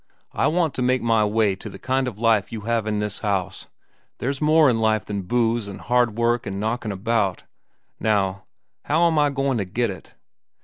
I want to make my way to the kind of life you have in this house. There's more in life than booze, an' hard work, an' knockin' about. Now, how am I goin' to get it?